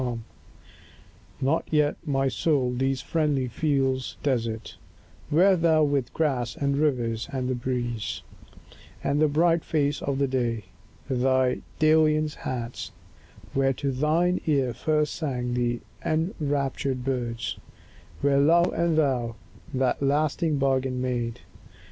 XXIV NOT yet, my soul, these friendly fields desert, Where thou with grass, and rivers, and the breeze, And the bright face of day, thy dalliance hadst; Where to thine ear first sang the enraptured birds; Where love and thou that lasting bargain made.